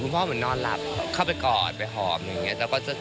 ถึงโหลดอยู่ฮะ